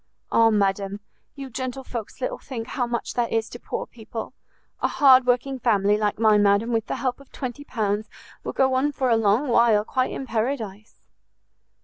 "Ah, madam, you gentlefolks little think how much that is to poor people! A hard working family, like mine, madam, with the help of 20 pounds will go on for a long while quite in paradise."